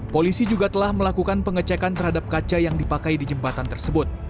polisi juga telah melakukan pengecekan terhadap kaca yang dipakai di jembatan tersebut